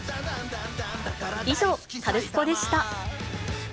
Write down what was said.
以上、カルスポっ！でした。